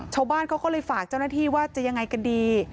ชาวบ้านเขาก็เลยฝากเจ้าหน้าที่ว่าจะยังไงกันดี